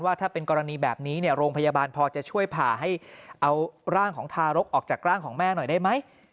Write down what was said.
ว่าถ้าเป็นกรณีแบบนี้โรงพยาบาลพอจะช่วยผ่าให้เอาร่างของทารกออกจากร่างของแม่หน่อยได้ไหม